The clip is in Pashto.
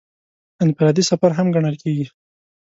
انفرادي سفر هم ګڼل کېږي.